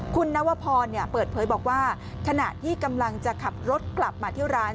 คุณนวพรเปิดเผยบอกว่าขณะที่กำลังจะขับรถกลับมาที่ร้าน